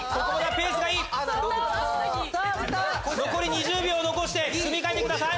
２０秒を残して組み替えてください。